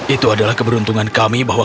itu adalah keberuntungan kami bahwa